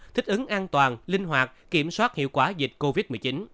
thích ứng an toàn linh hoạt kiểm soát hiệu quả dịch covid một mươi chín